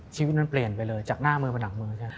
ชีวิตนั้นเปลี่ยนไปเลยจากหน้ามือไปหนักมือ